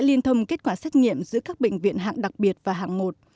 liên thông kết quả xét nghiệm giữa các bệnh viện hạng đặc biệt và hạng một